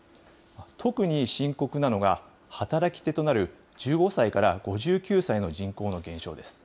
特に深刻なのが、働き手となる１５歳から５９歳の人口の減少です。